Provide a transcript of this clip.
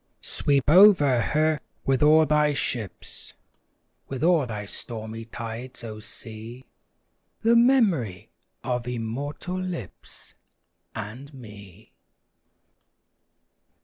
Sweep over her with all thy ships, With all thy stormy tides, O sea! The memory of immortal lips, And me!